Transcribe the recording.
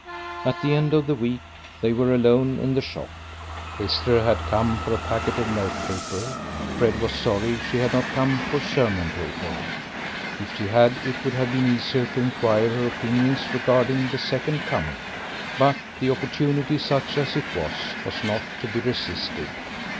At the end of the week they were alone in the shop. Esther had come for a packet of note paper. Fred was sorry she had not come for sermon paper; if she had it would have been easier to inquire her opinions regarding the second coming. But the opportunity, such as it was, was not to be resisted.